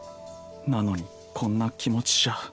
なのにこんな気持ちじゃ。